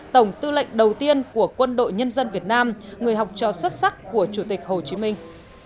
tổng tư lệnh đầu tiên của quân đội nhân dân việt nam người học trò xuất sắc của chủ tịch hồ chí minh